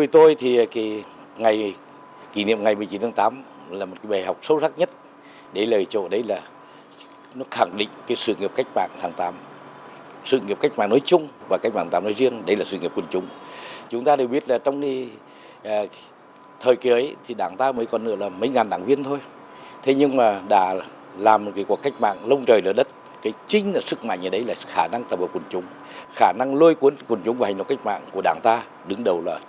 trong tuần qua đã diễn ra các hoạt động kỷ niệm bảy mươi một năm cách mạng tháng tám đảng viên người đứng đầu